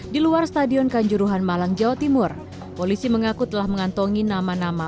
di luar stadion kanjuruhan malang jawa timur polisi mengaku telah mengantongi nama nama